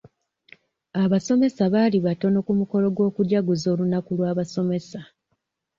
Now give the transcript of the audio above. Abasomesa baali batono ku mukolo gw'okujaguza olunaku lw'abasomesa.